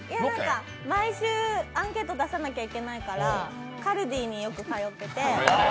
毎週アンケート出さなきゃいけないからカルディによく通ってて。